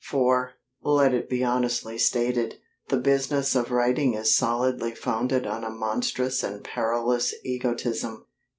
For, let it be honestly stated, the business of writing is solidly founded on a monstrous and perilous egotism.